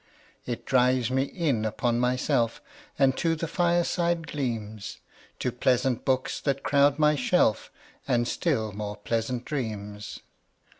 It drives me in upon myself 5 And to the fireside gleams, To pleasant books that crowd my shelf, And still more pleasant dreams.